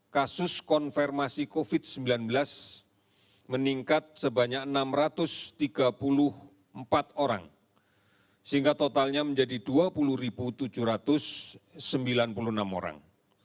kasus konfirmasi covid sembilan belas meningkat sebanyak enam ratus tiga puluh empat orang sehingga totalnya menjadi dua puluh tujuh ratus sembilan puluh enam orang